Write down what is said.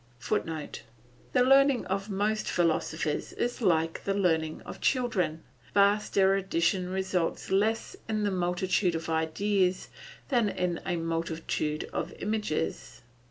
[Footnote: The learning of most philosophers is like the learning of children. Vast erudition results less in the multitude of ideas than in a multitude of images.